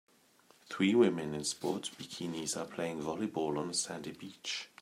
Three women in sports bikinis are playing volleyball on a sandy beach.